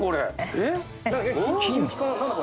えっ？